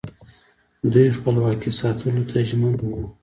دوی خپلواکي ساتلو ته ژمن وو